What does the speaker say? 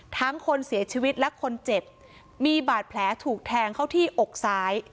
คนเสียชีวิตและคนเจ็บมีบาดแผลถูกแทงเข้าที่อกซ้าย